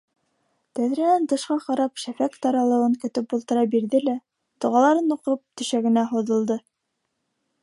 Тәҙрәнән тышҡа ҡарап шәфәҡ таралыуын көтөп ултыра бирҙе лә, доғаларын уҡып, түшәгенә һуҙылды.